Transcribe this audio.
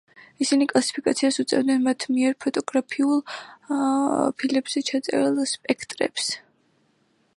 ისინი კლასიფიკაციას უწევდნენ მათ მიერ ფოტოგრაფიულ ფილებზე ჩაწერილ სპექტრებს.